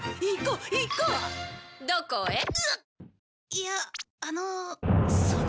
いやあのその。